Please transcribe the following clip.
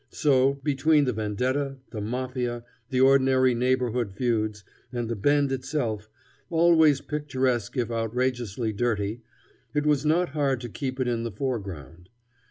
So, between the vendetta, the mafia, the ordinary neighborhood feuds, and the Bend itself, always picturesque if outrageously dirty, it was not hard to keep it in the foreground.